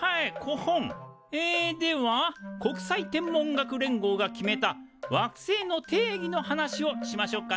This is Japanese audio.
コホン！えでは国際天文学連合が決めた惑星の定義の話をしましょうかね。